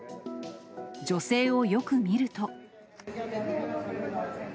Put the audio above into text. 女性をよく見ると。